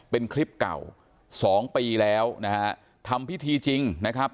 เป็นคลิปเก่าสองปีแล้วนะฮะทำพิธีจริงนะครับ